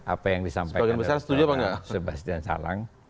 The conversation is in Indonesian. apa yang disampaikan adalah sebastian salang